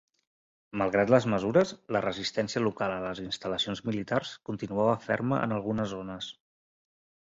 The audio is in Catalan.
Malgrat les mesures, la resistència local a les instal·lacions militars continuava ferma en algunes zones.